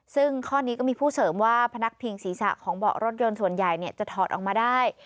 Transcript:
ซึ่งข้อนี้ก็มีผู้เสริมว่าพนักพิงศีรษะของเบาะรถยนต์ส่วนใหญ่จะถอดออกมาได้